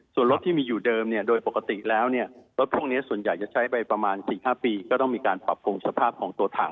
ส่วนรถที่มีอยู่เดิมเนี่ยโดยปกติแล้วเนี่ยรถพวกนี้ส่วนใหญ่จะใช้ไปประมาณ๔๕ปีก็ต้องมีการปรับปรุงสภาพของตัวถัง